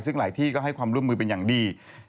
ซึ่งหลายที่ก็ให้ความร่วมมือเป็นอย่างดี